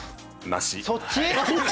そっち！？